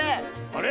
あれ？